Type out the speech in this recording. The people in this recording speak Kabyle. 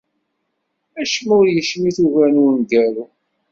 Acemma ur yecmit ugar n wemgaru.